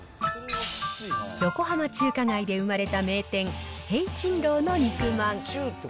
横浜中華街で生まれた名店、聘珍樓の肉まん。